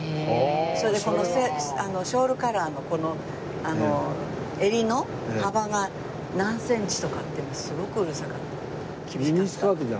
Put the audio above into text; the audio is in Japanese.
それでショールカラーのこの襟の幅が何センチとかっていうのがすごくうるさかったの。